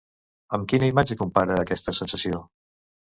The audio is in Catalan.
Amb quina imatge compara aquesta sensació?